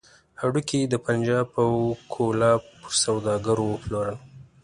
هډوکي يې د پنجاب او کولاب پر سوداګرو وپلورل.